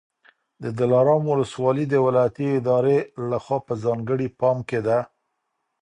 د دلارام ولسوالي د ولایتي ادارې لخوا په ځانګړي پام کي ده.